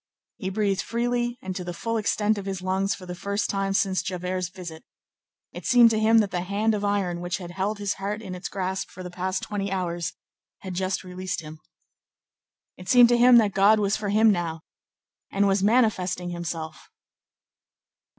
He breathed freely and to the full extent of his lungs for the first time since Javert's visit. It seemed to him that the hand of iron which had held his heart in its grasp for the last twenty hours had just released him. It seemed to him that God was for him now, and was manifesting Himself.